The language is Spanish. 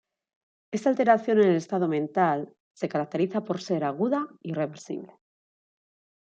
Esta alteración en el estado mental se caracteriza por ser aguda y reversible.